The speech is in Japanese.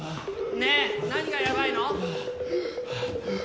ねえ何がヤバいの？